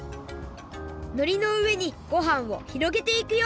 のりのうえにごはんをひろげていくよ